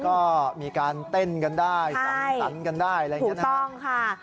แล้วก็มีการเต้นกันได้ใช่สันกันได้ถูกต้องค่ะ